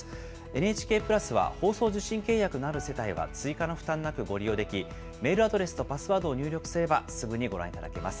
ＮＨＫプラスは放送受信契約のある世帯は追加の負担なくご利用でき、メールアドレスとパスワードを入力すれば、すぐにご覧いただけます。